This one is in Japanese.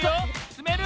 つめる？